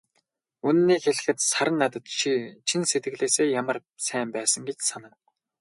Үнэнийг хэлэхэд, Саран надад чин сэтгэлээсээ ямар сайн байсан гэж санана.